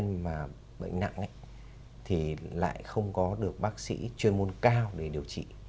nhưng mà bệnh nặng ấy thì lại không có được bác sĩ chuyên môn cao để điều trị